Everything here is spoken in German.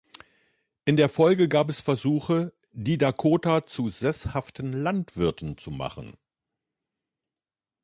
In der Folge gab es Versuche, die Dakota zu sesshaften Landwirten zu machen.